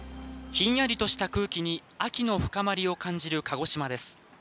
ひんやりとした空気に秋の深まりを感じる鹿児島です。